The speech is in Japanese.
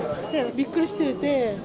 びっくりしてて。